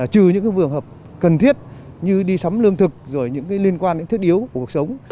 trừ những vườn hợp cần thiết như đi sắm lương thực rồi những liên quan đến thiết yếu của cuộc sống